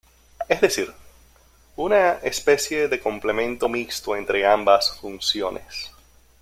Es decir, una especie de complemento mixto entre ambas funciones.